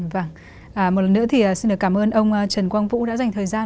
vâng một lần nữa thì xin được cảm ơn ông trần quang vũ đã dành thời gian